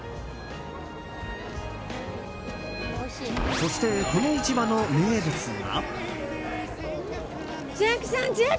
そしてこの市場の名物が。